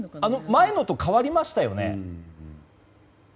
前のと変わりましたよね？